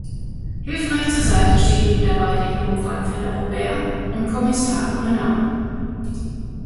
Hilfreich zur Seite stehen ihm dabei der junge Pfadfinder Robert und Kommissar Renard.